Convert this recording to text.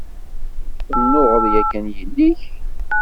Tennuɣeḍ yakan yelli-k?